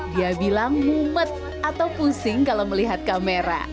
dia bilang mumet atau pusing kalau melihat kamera